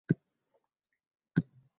Uning baholari qoniqarsiz edi